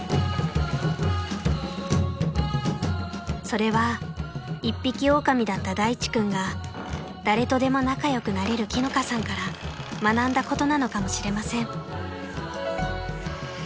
［それは一匹おおかみだった大地君が誰とでも仲良くなれる樹乃香さんから学んだことなのかもしれません］